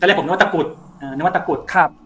ก็เลยผมนึกว่าตะกรุด